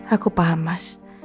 aku paham mas